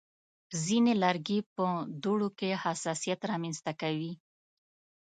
ځینې لرګي په دوړو کې حساسیت رامنځته کوي.